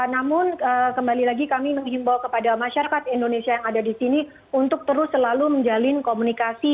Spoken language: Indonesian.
namun kembali lagi kami mengimbau kepada masyarakat indonesia yang ada di sini untuk terus selalu menjalin komunikasi